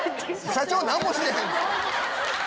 社長何も知らへん！